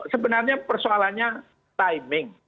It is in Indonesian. sebenarnya persoalannya timing